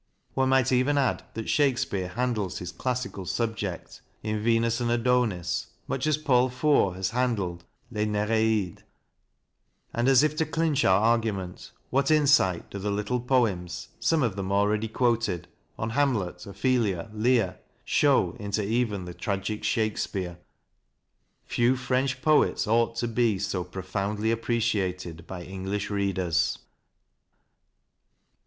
One might even add that Shakespeare handles his classical subject in "Venus and Adonis" much as Paul Fort has handled "Les Nereides," and, as if to clinch our argument, what insight do the little poems some of them already quoted on Hamlet, Ophelia, Lear, show into even the tragic Shakespeare ! Few French poets ought to be so profoundly appreciated by English readers.